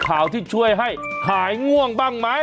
ข่าวที่ช่วยให้หายง่วงบ้างไหม